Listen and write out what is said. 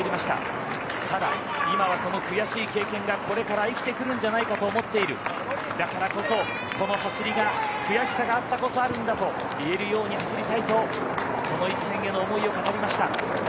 ただ、今はその悔しい経験がこれから生きてくるんじゃないかと思っているだからこそ、この走りが悔しさがあったからこそあるんだと言えるように走りたいとこの一戦への思いを語りました。